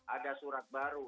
ada surat baru